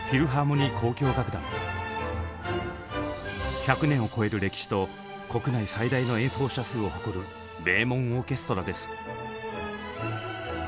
１００年を超える歴史と国内最大の演奏者数を誇る名門オーケストラです。